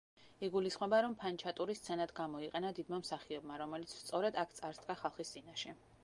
იგულისხმება, რომ ფანჩატური სცენად გამოიყენა დიდმა მსახიობმა, რომელიც სწორედ აქ წარსდგა ხალხის წინაშე.